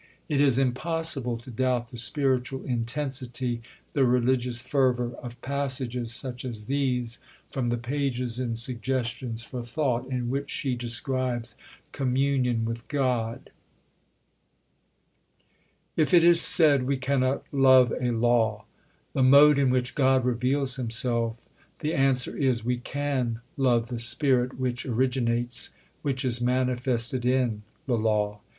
It is impossible to doubt the spiritual intensity, the religious fervour, of passages such as these from the pages in Suggestions for Thought in which she describes "Communion with God": If it is said "we cannot love a law," the mode in which God reveals Himself the answer is, we can love the spirit which originates, which is manifested in, the law.